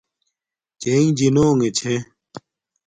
چݵئِݣ جِنݸݣݺ چھݺ.